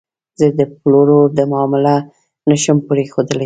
زه د پلور دا معامله نه شم پرېښودلی.